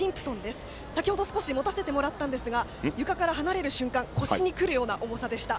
先程持たせてもらったんですが床から離れる瞬間腰に来るような重さでした。